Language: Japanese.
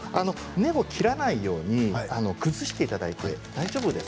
根を切らないように崩していただいて大丈夫です。